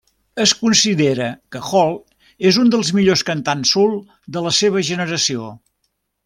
Es considera que Hall és un dels millors cantants soul de la seva generació.